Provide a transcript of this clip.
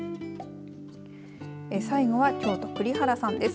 最後は京都、栗原さんです。